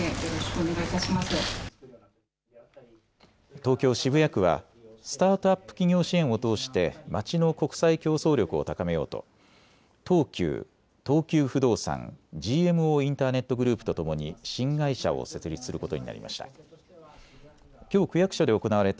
東京渋谷区はスタートアップ企業支援を通して街の国際競争力を高めようと東急、東急不動産、ＧＭＯインターネットグループとともに新会社を設立することになりました。